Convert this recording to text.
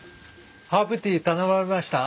ハーブティー頼まれました？